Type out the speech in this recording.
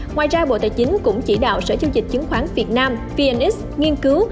ngoài ra bộ tài chính cũng chỉ đạo sở giao dịch chứng khoán việt nam vnx nghiên cứu